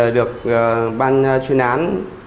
được ban chuyên án